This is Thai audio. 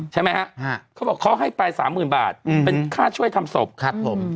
ใช่ไหมเขาบอกเขาให้ปลาย๓๐๐๐บาทเป็นค่าช่วยทำ